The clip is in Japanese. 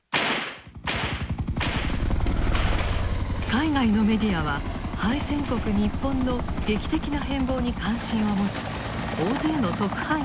海外のメディアは敗戦国日本の劇的な変貌に関心を持ち大勢の特派員を送った。